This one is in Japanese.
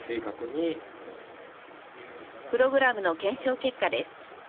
プログラムの検証結果です。